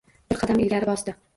Bir qadam ilgari bosdi...